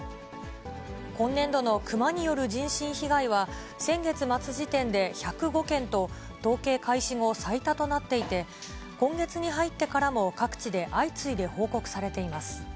今年度のクマによる人身被害は先月末時点で１０５件と、統計開始後、最多となっていて、今月に入ってからも各地で相次いで報告されています。